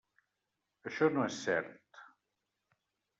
Això no és cert.